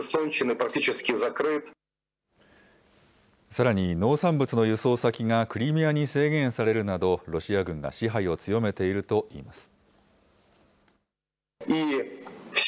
さらに、農産物の輸送先がクリミアに制限されるなど、ロシア軍が支配を強めているといいます。